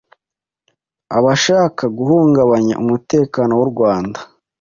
abashaka guhungabanya umutekano w’u Rwanda,